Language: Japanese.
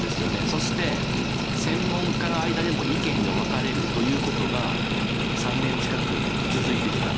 そして、専門家の間でも意見が分かれるということが３年近く続いてきた。